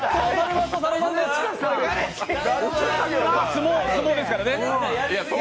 相撲ですからね。